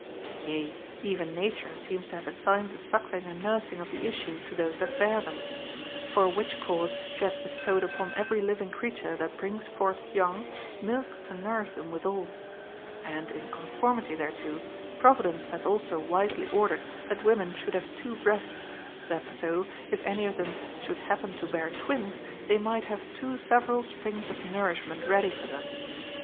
Yea, even Nature seems to have assigned the suckling and nurs ing of the issue to those that bear them ; for which cause she hath bestowed upon every living creature that brings forth young, milk to nourish them withal. And, in conformity thereto, Providence hath also wisely ordered that women should have two breasts, that so, if any of them should happen to bear twins, they might have two several springs of nour ishment ready for them.